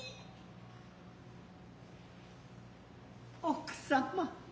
奥様。